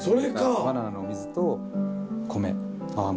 バナナのお水と米泡盛